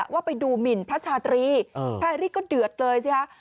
ว่าไปดูหมินพระชาตรีแพรรี่ก็เดือดเลยสิฮะ